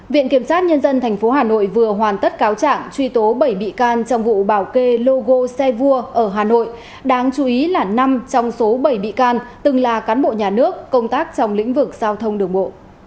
viện kiểm sát nhân dân tp hà nội vừa hoàn tất cáo trạng truy tố bảy bị can trong vụ bảo kê logo xe vua ở hà nội đáng chú ý là năm trong số bảy bị can từng là cán bộ nhà nước công tác trong lĩnh vực giao thông đường bộ